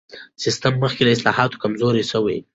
سیستم مخکې له اصلاحاتو کمزوری سوی و.